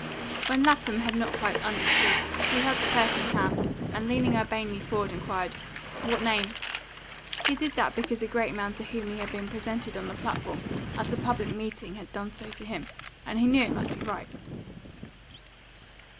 When Lapham had not quite understood, he held the person's hand, and, leaning urbanely forward, inquired, "What name?" He did that because a great man to whom he had been presented on the platform at a public meeting had done so to him, and he knew it must be right.